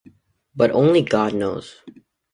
But only God knows.